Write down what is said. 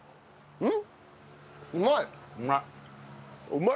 うん。